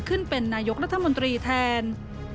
ขึ้นเป็นนายกรัฐมนตรีแทน